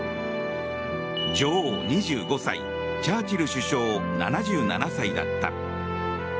女王、２５歳チャーチル首相、７７歳だった。